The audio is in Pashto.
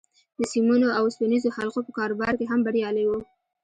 د سيمونو او اوسپنيزو حلقو په کاروبار کې هم بريالی و.